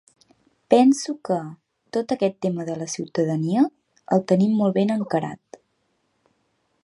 Penso que, tot aquest tema de la ciutadania, el tenim molt ben encarat.